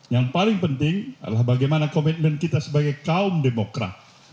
yang paling penting adalah bagaimana komitmen kita sebagai kaum demokrat